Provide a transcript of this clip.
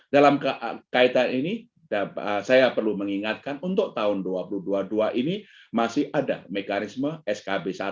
dalam kaitan ini saya perlu mengingatkan untuk tahun dua ribu dua puluh dua ini masih ada mekanisme skb satu